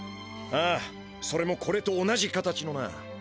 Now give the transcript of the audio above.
ああそれもこれと同じ形のな。